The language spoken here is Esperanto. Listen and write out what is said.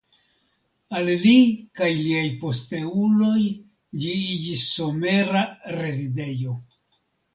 Al li kaj liaj posteuloj ĝi iĝis somera rezidejo.